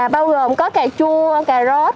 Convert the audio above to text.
bao gồm có cà chua cà rốt